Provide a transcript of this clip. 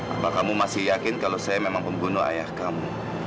apa kamu masih yakin kalau saya memang pembunuh ayah kamu